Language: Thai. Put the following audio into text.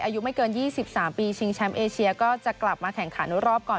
อายุไม่เกิน๒๓ปีชิงแชมป์เอเชียก็จะกลับมาแข่งขันรอบก่อน